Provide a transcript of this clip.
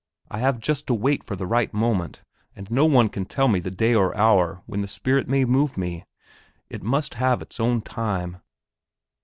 I have just to wait for the right moment, and no one can tell the day or hour when the spirit may move one it must have its own time...."